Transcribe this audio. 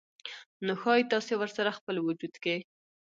نو ښايي تاسې ورسره خپل وجود کې